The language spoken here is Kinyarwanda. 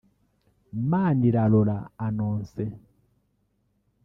Manirarora Annoncée